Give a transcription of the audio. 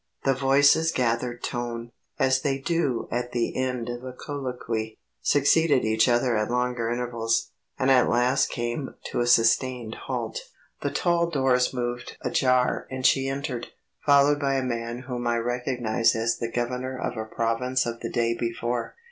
The voices gathered tone, as they do at the end of a colloquy, succeeded each other at longer intervals, and at last came to a sustained halt. The tall doors moved ajar and she entered, followed by a man whom I recognized as the governor of a province of the day before.